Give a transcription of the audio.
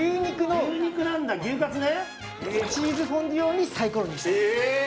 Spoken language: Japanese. チーズフォンデュ用にサイコロにしました。